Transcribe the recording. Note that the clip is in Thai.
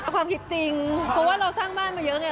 ความผิดจริงเพราะว่าเราสร้างบ้านมาเยอะไง